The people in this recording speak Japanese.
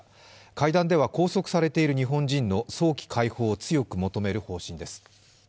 会談では拘束されている日本人の早期解放を強く求める方針です。